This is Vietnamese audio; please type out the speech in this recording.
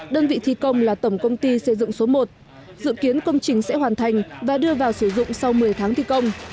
đơn vị thi công là tổng công ty xây dựng số một dự kiến công trình sẽ hoàn thành và đưa vào sử dụng sau một mươi tháng thi công